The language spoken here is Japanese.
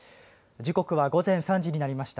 時刻は午前３時になりました。